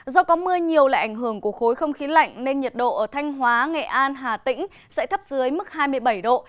do có mưa nhiều lại ảnh hưởng của khối không khí lạnh nên nhiệt độ ở thanh hóa nghệ an hà tĩnh sẽ thấp dưới mức hai mươi bảy độ